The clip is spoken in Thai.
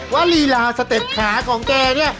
ว่าลีลาสเต็ปขาของแกนี่